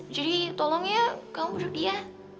jadi tolong ya kamu bujuk dia